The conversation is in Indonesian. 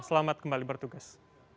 selamat kembali bertugas